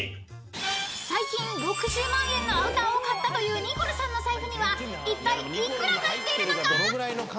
［最近６０万円のアウターを買ったというニコルさんの財布にはいったい幾ら入っているのか？］